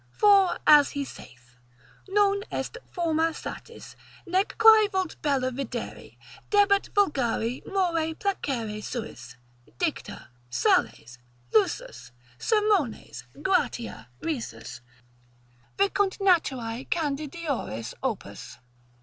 For as he saith, Non est forma satis, nec quae vult bella videri, Debet vulgari more placere suis. Dicta, sales, lusus, sermones, gratia, risus, Vincunt naturae candidioris opus.